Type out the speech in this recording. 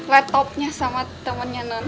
laptopnya sama temennya non